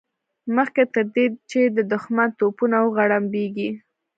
مخکې تر دې چې د دښمن توپونه وغړمبېږي.